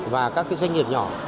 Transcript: và các doanh nghiệp nhỏ